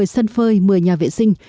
một mươi sân phơi một mươi nhà vệ sinh